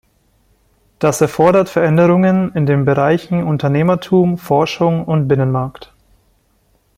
Das erfordert Veränderungen in den Bereichen Unternehmertum, Forschung und Binnenmarkt.